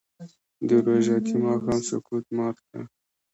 د روژتي ماښام سکوت مات کړه